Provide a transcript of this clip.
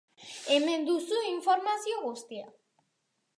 Hemen duzu informazio guztia.